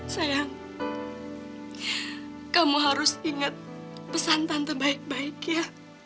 sayang kamu harus ingat pesan tante baik baik ya